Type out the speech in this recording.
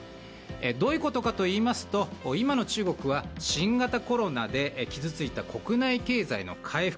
どういうことかといいますと今の中国は新型コロナで傷ついた国内経済の回復